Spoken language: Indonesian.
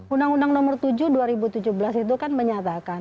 undang undang nomor tujuh dua ribu tujuh belas itu kan menyatakan